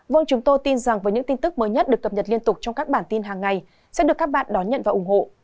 vâng chúng tôi tin rằng với những tin tức mới nhất được cập nhật liên tục trong các bản tin hàng ngày sẽ được các bạn đón nhận và ủng hộ